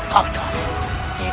tidak akan terjadi lagi